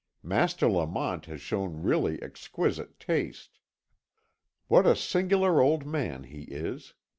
Master Lamont has shown really exquisite taste. What a singular old man he is.